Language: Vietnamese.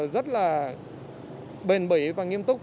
rất là bền bỉ và nghiêm túc